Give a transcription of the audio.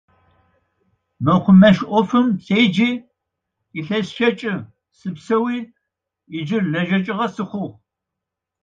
Мэкъумэш ӏофым сэджи илъэс щэкӏы сыпсэуи ыджы лэжьэжьыгъэ сыхъугъ.